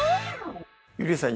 ゆりさん